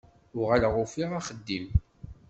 Uɣaleɣ ufiɣ axeddim.